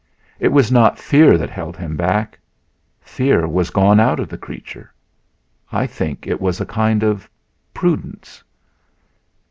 It was not fear that held him back; fear was gone out of the creature; I think it was a kind of prudence.